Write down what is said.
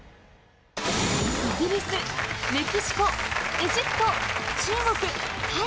イギリス、メキシコ、エジプト、中国、タイ。